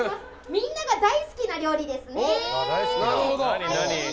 みんなが大好きな料理ですね。